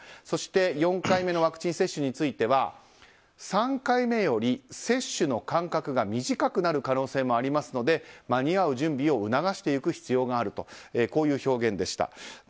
そして４回目のワクチン接種については３回目より接種の間隔が短くなる可能性もありますので間に合う準備を促していく必要があるとこういう表現でした。